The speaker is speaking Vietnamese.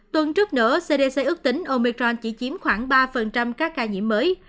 tuần trước nữa cdc ước tính omicron chỉ chiếm khoảng ba các ca nhiễm mới